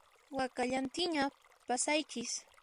Wakallantinña pasaychis